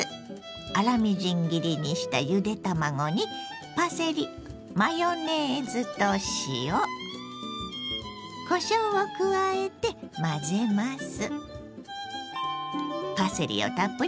粗みじん切りにしたゆで卵にパセリマヨネーズと塩こしょうを加えて混ぜます。